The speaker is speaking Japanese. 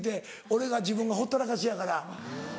俺が自分がほったらかしやから。